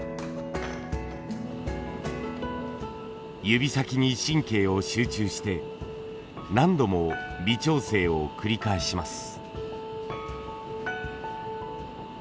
指先に神経を集中して何度も微調整を繰り返します。